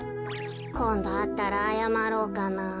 こんどあったらあやまろうかな。